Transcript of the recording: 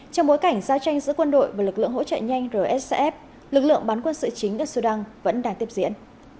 trong bối cảnh giao tranh giữa quân đội và lực lượng hỗ trợ nhanh rsf lực lượng bán quân sự chính ở sudan vẫn đang tiếp diễn